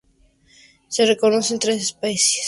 Se reconocen tres especies; eran carnívoros de tamaño medio.